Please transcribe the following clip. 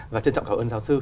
và trân trọng cảm ơn giáo sư